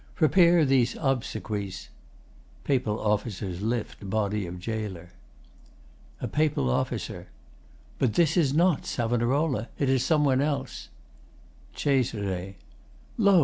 Prepare these obsequies. [Papal officers lift body of GAOLER.] A PAPAL OFFICER But this is not Savonarola. It is some one else. CESARE Lo!